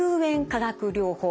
化学療法。